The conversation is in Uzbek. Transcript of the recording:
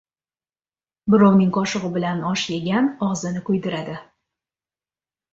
• Birovning qoshig‘i bilan osh yegan og‘zini kuydiradi.